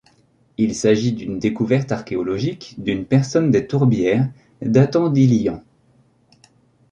Il s'agit d'une découverte archéologique d'une personne des tourbières datant d'il y ans.